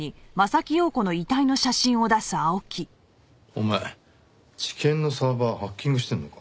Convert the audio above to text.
お前地検のサーバーハッキングしてんのか？